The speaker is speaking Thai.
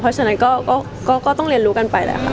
เพราะฉะนั้นก็ต้องเรียนรู้กันไปแล้วค่ะ